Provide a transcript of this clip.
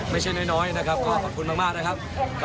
ไม่ใช่น้อยนะครับก็ขอบคุณมากนะครับ